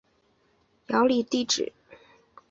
姚李遗址的历史年代为新石器时代至青铜时代。